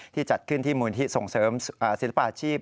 จัดขึ้นที่มูลที่ส่งเสริมศิลปาชีพ